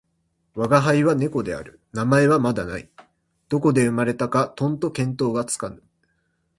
吾輩は猫である。名前はまだない。どこで生れたかとんと見当がつかぬ。